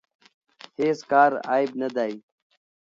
هیڅ کار عیب نه دی.